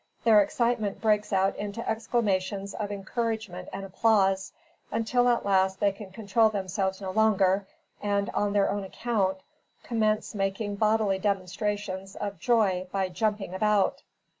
Their excitement breaks out into exclamations of encouragement and applause, until at last they can control themselves no longer, and, on their own account, commence making bodily demonstrations of joy by jumping about.